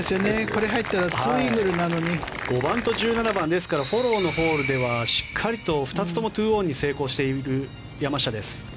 これが入ったら５番と１７番、ですからフォローのホールではしっかりと２つとも２オンに成功している山下。